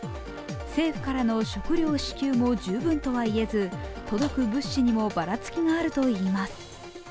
政府からの食料支給も十分とは言えず届く物資にもばらつきがあるといいます。